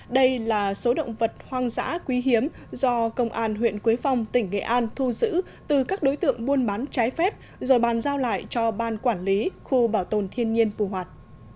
đây là số động vật hoang dã quý hiếm do công an huyện quế phong tỉnh nghệ an thu giữ từ các đối tượng buôn bán trái phép rồi bàn giao lại cho ban quản lý khu bảo tồn thiên nhiên phù hoạt